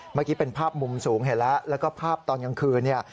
เมื่อกี้เป็นภาพมุมสูงเห็นแล้วแล้วก็ภาพตอนกลางคืนเนี่ย